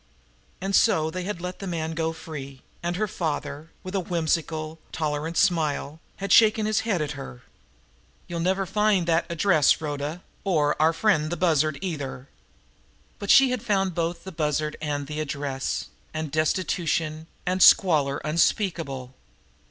And so they had let the man go free, and her father, with a whimsical, tolerant smile, had shaken his head at her. "You'll never find that address, Rhoda or our friend the Bussard, either!" But she had found both the Bussard and the address, and destitution and a squalor unspeakable.